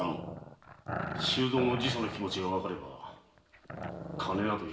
周蔵の自訴の気持ちがわかれば金など要らぬ。